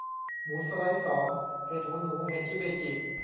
หมูสไลด์สอง เห็ดหูหนู เห็ดชิเมจิ